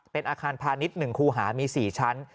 เป็นอาคารพาณิชย์๑คู่หามี๔ชั้น